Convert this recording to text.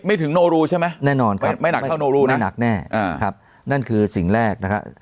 ไม่ถึงโนรูใช่ไหมไม่หนักแน่ครับไม่หนักแน่นั่นคือสิ่งแรกนะครับ